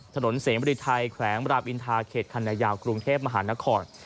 ถนนเสมริไทยแขวงรามอินทาเขตคันนายาวกรุงเทพมหานคร